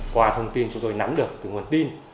qua thông tin chúng tôi nắm được từ nguồn tin